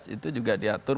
itu juga diatur